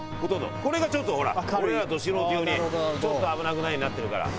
これがちょっとほら俺らど素人用にちょっと危なくないようになってるから。